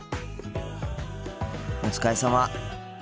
お疲れさま。